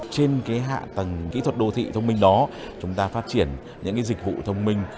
trên hạ tầng kỹ thuật đô thị thông minh đó chúng ta phát triển những dịch vụ thông minh